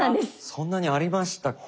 そんなにありましたっけ？